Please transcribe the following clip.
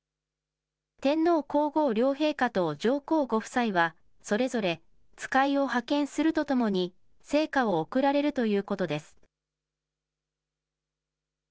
天皇皇后両陛下と上皇ご夫妻は、それぞれ使いを派遣するとともに、生花を贈られるということです。